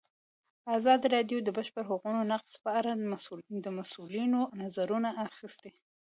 ازادي راډیو د د بشري حقونو نقض په اړه د مسؤلینو نظرونه اخیستي.